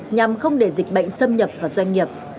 nhằm không để dịch bệnh xâm nhập vào doanh nghiệp